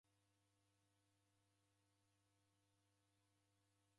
Timu ya isanga yaw'urie.